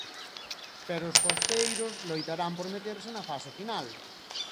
Pero os costeiros loitarán por meterse na fase final.